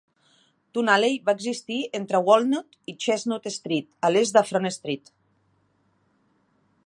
Tun Alley va existir entre Walnut i Chestnut Street, a l'est de Front Street.